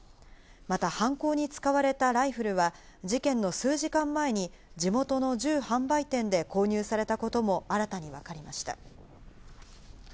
また犯行に使われたライフルが事件の数時間前に地元の銃販売店で購入されたことも新たに分かりました。